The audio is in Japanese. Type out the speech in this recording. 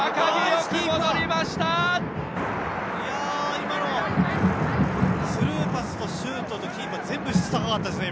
今の、スルーパスとシュートとキーパー全部、質高かったですね！